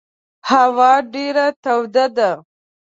هوا ډېره توده ده.